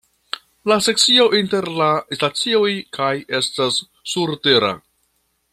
La sekcio inter la stacioj kaj estas surtera.